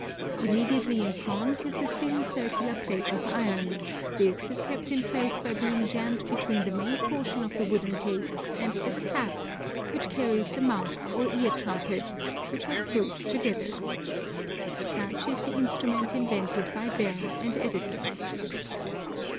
Immediately in front is a thin circular plate of iron; this is kept in place by being jammed between the main portion of the wooden case and the cap, which carries the mouth or ear trumpet, which are screwed together. Such is the instrument invented by Bell and Edison.